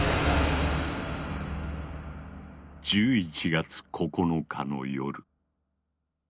１１月９日の夜。